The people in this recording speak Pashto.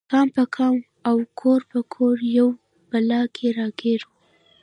قام په قام او کور په کور یوې بلا کې راګیر و.